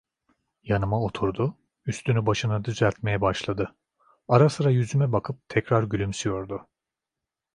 Yanıma oturdu; üstünü başını düzeltmeye başladı, ara sıra yüzüme bakıp tekrar gülümsüyordu.